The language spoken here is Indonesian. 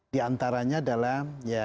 di antaranya adalah